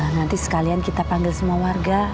nanti sekalian kita panggil semua warga